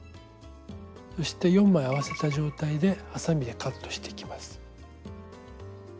そして４枚合わせた状態ではさみでカットしていきます。